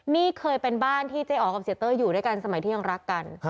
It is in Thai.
นี่เคยเป็นบ้านที่เจ๊อ๋อกับเสียเต้ยอยู่ด้วยกันสมัยที่ยังรักกัน